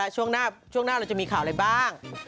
ช่วงหน้าเราจะมีข่าวอะไรบ้าง